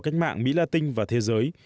cách mạng mỹ la tinh và thế giới